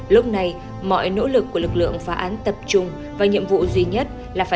lúc này mọi nỗ lực của lực lượng phá án tập trung và nhiệm vụ duy nhất